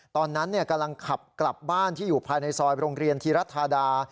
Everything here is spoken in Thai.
ตอนนั้นกำลังขับกลับบ้านที่อยู่ภายในซอยโรงเรียนธีรัฐธาดา